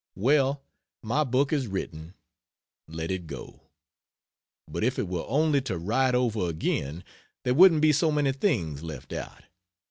Well, my book is written let it go. But if it were only to write over again there wouldn't be so many things left out.